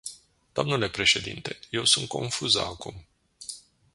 Dle președinte, eu sunt confuză acum.